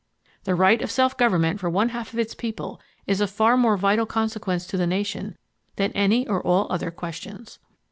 THE RIGHT OF SELF GOVERNMENT FOR ONE HALF OF ITS PEOPLE IS OF FAR MORE VITAL CONSEQUENCE TO THE NATION THAN ANY OR ALL OTHER QUESTIONS.